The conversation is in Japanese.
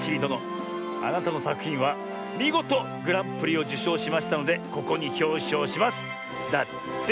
あなたのさくひんはみごとグランプリをじゅしょうしましたのでここにひょうしょうします」だって！